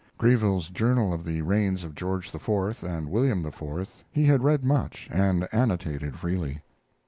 Greville's 'Journal of the Reigns of George IV. and William IV.' he had read much and annotated freely.